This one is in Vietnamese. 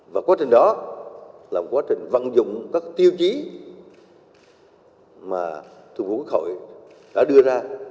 và quá trình đó là quá trình văn dụng các tiêu chí mà thủ vũ khỏi đã đưa ra